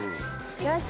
よし！